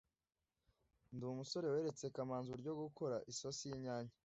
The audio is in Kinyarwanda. ndi umusore weretse kamanzi uburyo bwo gukora isosi y'inyanya